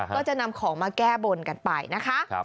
ก็จะนำของมาแก้บนกันไปนะคะ